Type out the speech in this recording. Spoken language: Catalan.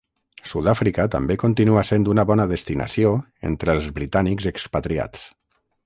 Sud-àfrica també continua sent una bona destinació entre els britànics expatriats.